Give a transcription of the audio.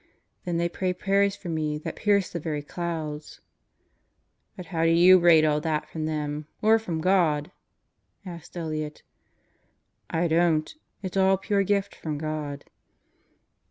Then they pray prayers for me that pierce the very clouds." "But how do you rate all that from them or from God?" asked Elliott "I don't. It's all pure gift from God."